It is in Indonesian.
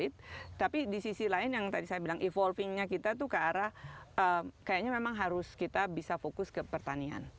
tapi di sisi lain evolving nya kita itu ke arah kayaknya memang harus kita bisa fokus ke pertanian